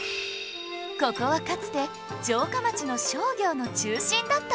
ここはかつて城下町の商業の中心だった場所